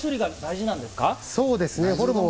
そうですね。